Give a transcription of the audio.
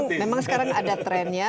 karena sekarang ada trendnya